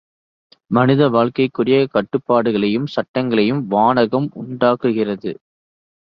மனித வாழ்க்கைக்குரிய கட்டுப்பாடுகளையும், சட்டங்களையும் வானகம் உண்டாக்குகிறது.